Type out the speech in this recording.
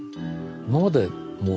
今までう